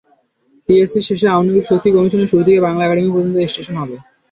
টিএসসির শেষে আণবিক শক্তি কমিশনের শুরু থেকে বাংলা একাডেমি পর্যন্ত স্টেশন হবে।